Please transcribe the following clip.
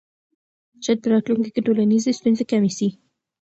شاید په راتلونکي کې ټولنیزې ستونزې کمې سي.